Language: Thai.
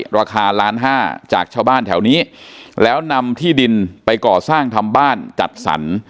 ราคาล้านห้าจากชาวบ้านแถวนี้แล้วนำที่ดินไปก่อสร้างทำบ้านจัดสรร